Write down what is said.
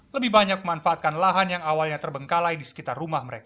lebih banyak memanfaatkan lahan yang awalnya terbengkalai di sekitar rumah mereka